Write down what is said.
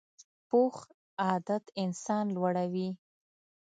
پوخ عادت انسان لوړوي